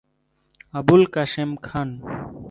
Abul Kashem Khan